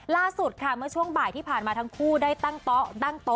ล่าสุดก็ช่วงบายที่ผ่านมาทั้งคู่ได้ตั้งเตาะ